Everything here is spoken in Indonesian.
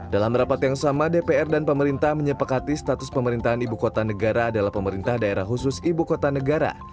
dalam rapat yang sama dpr dan pemerintah menyepakati status pemerintahan ibu kota negara adalah pemerintah daerah khusus ibu kota negara